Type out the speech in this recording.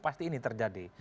pasti ini terjadi